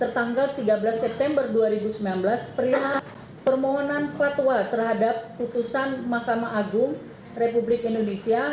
tanggal tiga belas september dua ribu sembilan belas perihal permohonan fatwa terhadap putusan mahkamah agung republik indonesia